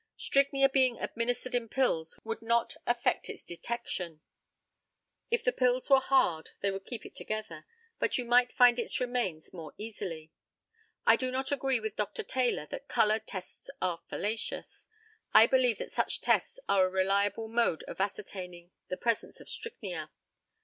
Strychnia being administered in pills would not affect its detection. If the pills were hard they would keep it together, and you might find its remains more easily. I do not agree with Dr. Taylor that colour tests are fallacious. I believe that such tests are a reliable mode of ascertaining the presence of strychnia.